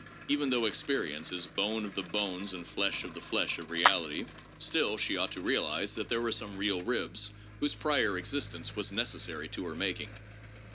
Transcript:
Even though experience is bone of the bones and flesh of the flesh of reality, still she ought to realize that there were some real ribs whose prior existence was necessary to her making.